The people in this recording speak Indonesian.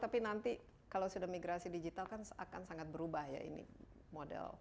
tapi nanti kalau sudah migrasi digital kan akan sangat berubah ya ini model